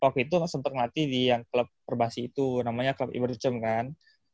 sekarang waktu itu sempat ngelatih di yang klub perbasih itu namanya klub iberducem kan